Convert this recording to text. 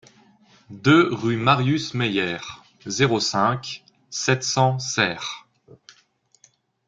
deux rue Marius Meyère, zéro cinq, sept cents Serres